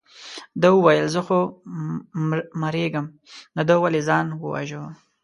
ده وویل زه خو مرېږم نو ده ولې ځان وواژه.